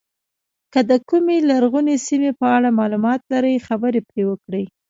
که د کومې لرغونې سیمې په اړه معلومات لرئ خبرې پرې وکړئ.